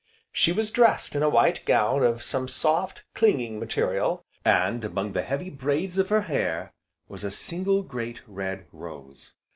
She was dressed in a white gown of some soft, clinging material, and among the heavy braids of her hair was a single great, red rose.